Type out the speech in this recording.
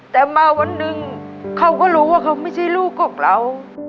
แต่มาวันหนึ่งเขาก็รู้ว่าเขาไม่ใช่ลูกของเรา